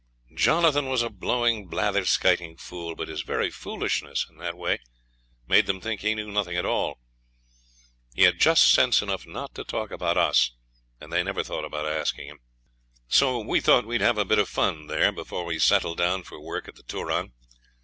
Jonathan was a blowing, blatherskiting fool; but his very foolishness in that way made them think he knew nothing at all. He had just sense enough not to talk about us, and they never thought about asking him. So we thought we'd have a bit of fun there before we settled down for work at the Turon.